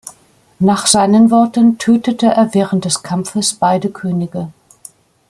Nach seinen Worten tötete er während des Kampfes beide Könige.